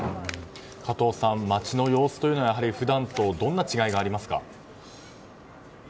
加藤さん、街の様子は普段とどんな違いがありますか。